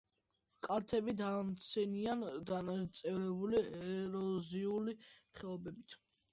კალთები დამრეცია, დანაწევრებულია ეროზიული ხეობებით.